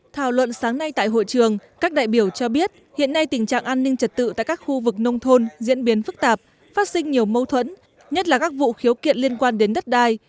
thảo luận sáng nay tại hội trường các đại biểu cho biết hiện nay tình trạng an ninh trật tự tại các khu vực nông thôn diễn biến phức tạp phát sinh nhiều mâu thuẫn nhất là các vụ khiếu kiện liên quan đến đất đai